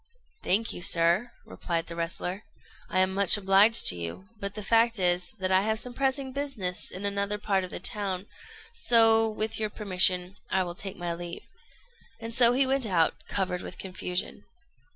"Thank you, sir," replied the wrestler, "I am much obliged to you; but the fact is, that I have some pressing business in another part of the town, so, with your permission, I will take my leave;" and so he went out, covered with confusion.